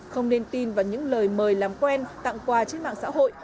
không nên tin vào những lời mời làm quen tặng quà trên mạng xã hội